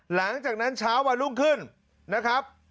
หลังจากนั้นเช้าวันรุ่งขึ้นนะครับ